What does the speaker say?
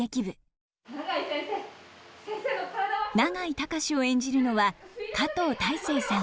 永井隆を演じるのは加藤大成さん。